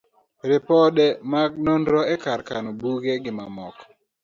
ripode mag nonro e kar kano buge, gi mamoko